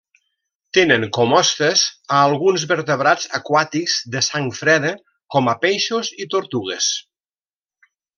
Tenen com hostes a alguns vertebrats aquàtics de sang freda com a peixos i tortugues.